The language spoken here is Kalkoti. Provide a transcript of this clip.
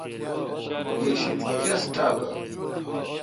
گہ شید کس ٹاکان۔